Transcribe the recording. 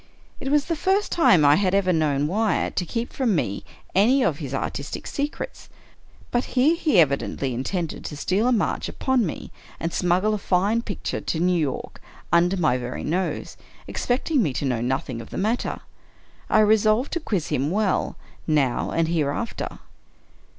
It was the first time I had ever known Wyatt to keep from me any of his artistical secrets; but here he evidently intended to steal a march upon me, and smuggle a fine picture to New York, under my very nose; expecting me to know nothing of the matter. I re solved to quiz him well, now and hereafter.